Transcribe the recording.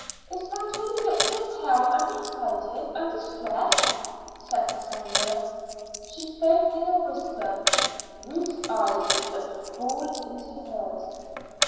Is that why you look so pale and excited and distressed?" said Cassandra. She spoke in a whisper. Ruth's eyes looked full into hers.